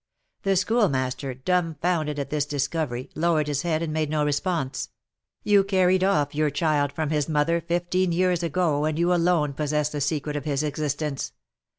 The Schoolmaster, dumfounded at this discovery, lowered his head and made no response. "You carried off your child from his mother fifteen years ago, and you alone possess the secret of his existence.